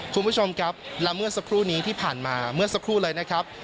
คุณผู้ชมครับและเมื่อสักครู่นี้ที่ผ่านมาเมื่อสักครู่เลยนะครับ